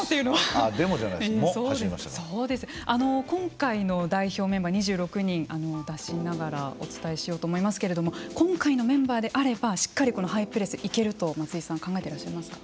今回の代表メンバー２６人を出しながらお伝えしようと思いますけれども今回のメンバーであればしっかりハイプレスはいけると松井さんは考えていらっしゃいますか。